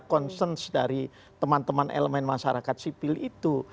concern dari teman teman elemen masyarakat sipil itu